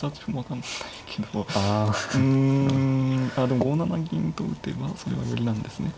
でも５七銀と打てばそれは寄りなんですね。